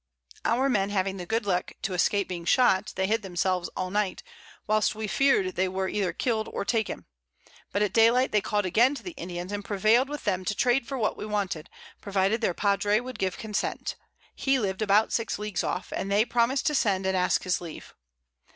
Our Men having the good Luck to escape being shot, they hid themselves all Night, whilst we feared they were either kill'd or taken; but at Day light they call'd again to the Indians, and prevail'd with them to trade for what we wanted, provided their Padre would give Consent, he lived about 6 Leagues off, and they promis'd to send and ask his Leave.